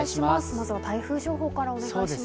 まずは台風情報からお願いします。